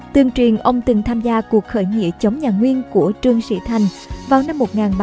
tương truyền ông từng tham gia cuộc khởi nghĩa chống nhà nguyên của trương sĩ thành vào năm một nghìn ba trăm năm mươi sáu